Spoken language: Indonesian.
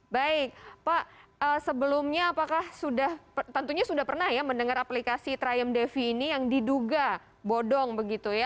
baik pak sebelumnya apakah sudah tentunya sudah pernah ya mendengar aplikasi triam devi ini yang diduga bodong begitu ya